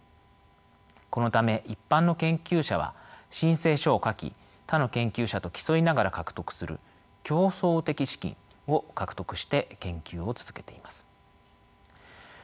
このため一般の研究者は申請書を書き他の研究者と競いながら獲得する競争的資金を獲得して研究を続けています。